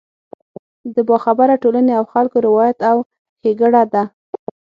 د باخبره ټولنې او خلکو روایت او ښېګړه ده.